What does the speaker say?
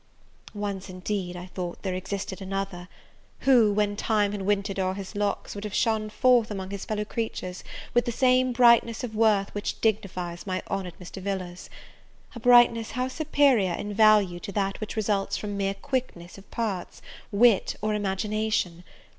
Once, indeed, I thought there existed another, who, when time had wintered o'er his locks, would have shone forth among his fellow creatures with the same brightness of worth which dignifies my honoured Mr. Villars; a brightness how superior in value to that which results from mere quickness of parts, wit, or imagination!